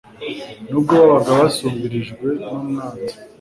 n'ubwo babaga basumbirijwe n'umwanzi